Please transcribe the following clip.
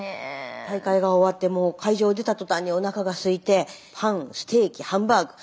大会が終わってもう会場を出た途端におなかがすいてパンステーキハンバーグ